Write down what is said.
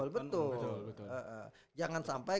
betul betul jangan sampai